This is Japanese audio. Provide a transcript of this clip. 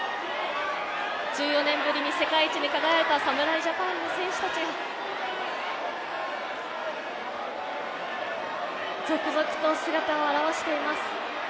１４年ぶりに世界一に輝いた侍ジャパンの選手たち、続々と姿を現しています。